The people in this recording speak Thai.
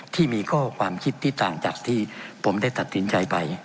ที่มีข้อความคิดที่ต่างจากที่ผมได้ตัดสินใจไป